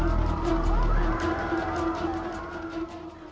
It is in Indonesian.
mereka mengambil kemampuan untuk mencari kemerdekaan indonesia